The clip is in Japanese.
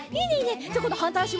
じゃあこんどはんたいあしも。